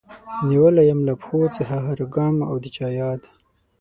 نيولی يم له پښو څخه هر ګام او د چا ياد